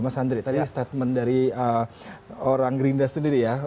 mas andri tadi statement dari orang gerinda sendiri ya